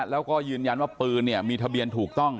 แล้วก็ยืนยันว่าปืนมีทะเบียนถูกต้อง